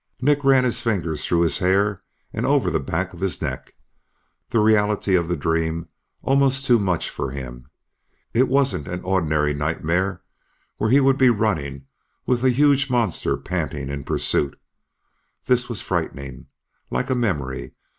Nick ran his fingers through his hair and over the back of his neck, the reality of the dream almost too much for him. It wasn't an ordinary nightmare where he would be running, with a huge monster panting in pursuit. This was frightening. Like a memory.